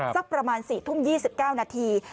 สักประมาณ๔ทุ่ม๒๙นาที